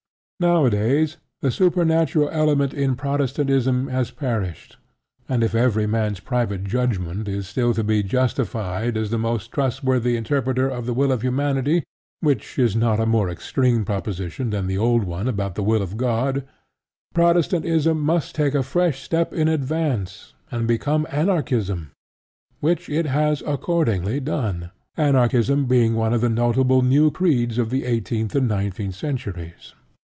Nowadays the supernatural element in Protestantism has perished; and if every man's private judgment is still to be justified as the most trustworthy interpreter of the will of Humanity (which is not a more extreme proposition than the old one about the will of God) Protestantism must take a fresh step in advance, and become Anarchism. Which it has accordingly done, Anarchism being one of the notable new creeds of the eighteenth and nineteenth centuries.